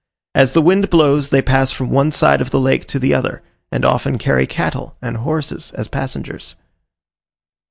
As the wind blows, they pass from one side of the lake to the other, and often carry cattle and horses as passengers.